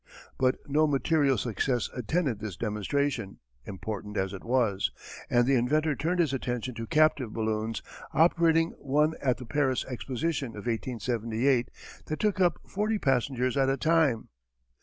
But no material success attended this demonstration, important as it was, and the inventor turned his attention to captive balloons, operating one at the Paris Exposition of 1878 that took up forty passengers at a time.